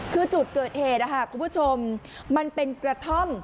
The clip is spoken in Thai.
คือจุดเกิดเหตุคุณผู้ชมมันเป็นกระท่อม